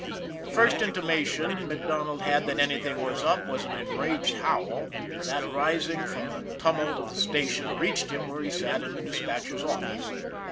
The first intimation MacDonald had that anything was up was an enraged howl that, rising above the tumult of the station, reached him where he sat in the dispatcher's office.